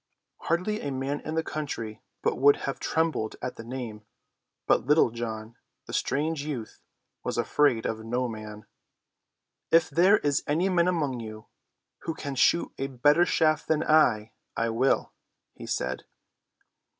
Hardly a man in the country but would have trembled at the name. But John Little, the strange youth, was afraid of no man. "If there is any man among you who can shoot a better shaft than I, I will," he said.